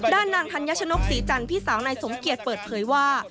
ด้านนางธัญชนกศรีจันทร์พี่สาวนายสมเกียจเปิดเผยว่า